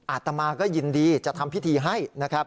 อัตมาก็ยินดีจะทำพิธีให้